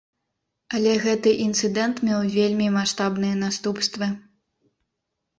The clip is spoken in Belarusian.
Але гэты інцыдэнт меў вельмі маштабныя наступствы.